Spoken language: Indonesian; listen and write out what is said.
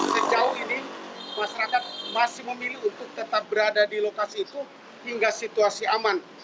sejauh ini masyarakat masih memilih untuk tetap berada di lokasi itu hingga situasi aman